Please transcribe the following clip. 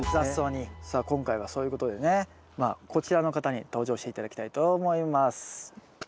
さあ今回はそういうことでねこちらの方に登場して頂きたいと思います。